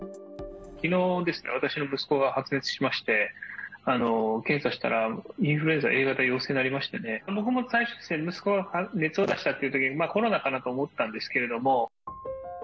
きのうですね、私の息子が発熱しまして、検査したら、インフルエンザＡ型陽性となりましてね、僕も最初、息子が熱を出したというときに、コロナかなと思ったんですけれども。